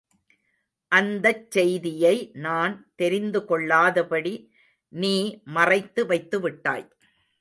அந்தச் செய்தியை நான் தெரிந்துகொள்ளாதபடி நீ மறைத்து வைத்துவிட்டாய்.